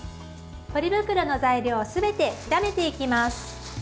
ポリ袋の材料をすべて炒めていきます。